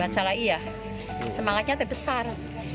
baca lagi ya semangatnya terbesar